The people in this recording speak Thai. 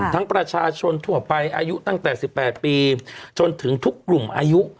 ประชาชนทั่วไปอายุตั้งแต่๑๘ปีจนถึงทุกกลุ่มอายุ